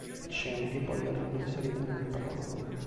Scene che poi verranno inserite nel prologo.